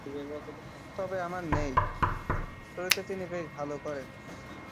তবে, আমার নেই।’ শুরুতে তিনি বেশ ভালো করেন।